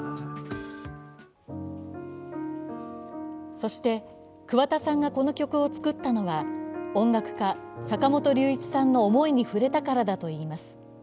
そして桑田さんがこの曲を作ったのは音楽家・坂本龍一さんの思いに触れたからだといいます。